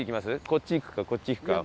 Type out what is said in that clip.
こっち行くかこっち行くか。